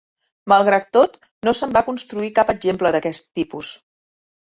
Malgrat tot, no se'n va construir cap exemple d'aquest tipus.